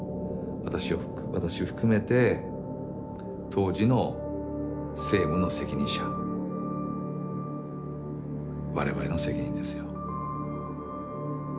私を私を含めて当時の政府の責任者我々の責任ですよ。